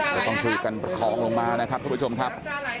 ก็ต้องช่วยกันประคองลงมานะครับทุกผู้ชมครับ